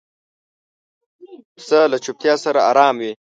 پسه له چوپتیا سره آرام وي.